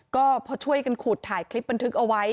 ก็พอช่วยกันขุดถ่ายคลิปบันทึกเอาไว้